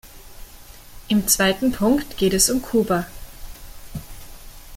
Im zweiten Punkt geht es um Kuba.